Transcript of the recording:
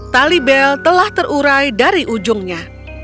tali bel telah terurai dari ujungnya